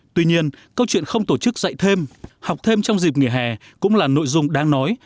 tuy nhiên câu chuyện không tổ chức dạy thêm học thêm trong dịp nghỉ hè cũng là nội dung đáng nói